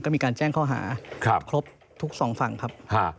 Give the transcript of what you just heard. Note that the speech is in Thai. ก็มีการแจ้งข้อหาครบทุกสองฝั่งครับ